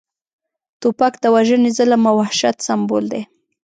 توپک د وژنې، ظلم او وحشت سمبول دی